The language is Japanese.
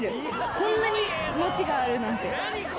こんなに街があるなんて。